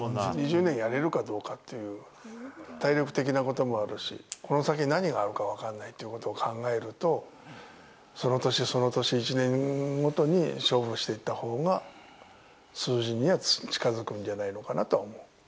２０年やれるかどうかという、体力的なこともあるし、この先、何があるか分からないっていうことを考えると、その年、その年、１年ごとに勝負していったほうが数字には近づくんじゃないのかなと思う。